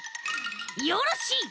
よろしい！